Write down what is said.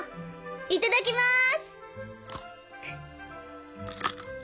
いただきます。